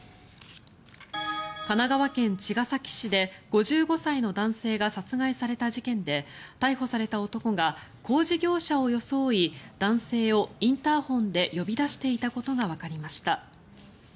神奈川県茅ヶ崎市で５５歳の男性が殺害された事件で逮捕された男が工事業者を装い男性をインターホンで呼び出していたことがわかりました。